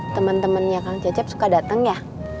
temen temennya kang cecep suka dateng ya